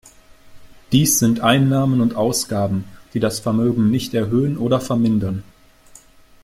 Dies sind Einnahmen und Ausgaben, die das Vermögen nicht erhöhen oder vermindern.